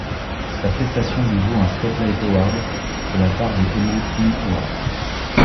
Sa prestation lui vaut un Spotlight Award de la part des Hollywood Film Awards.